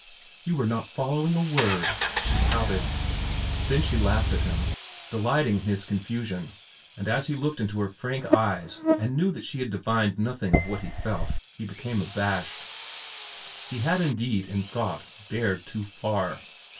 "You were not following a word," she pouted. Then she laughed at him, delighting in his confusion, and as he looked into her frank eyes and knew that she had divined nothing of what he felt, he became abashed. He had indeed in thought dared too far.